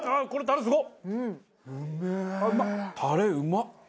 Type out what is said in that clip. タレうまっ！